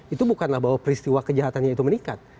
itu bukanlah bahwa peristiwa kejahatannya itu meningkat